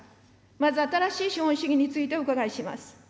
まず新しい資本主義についてお伺いします。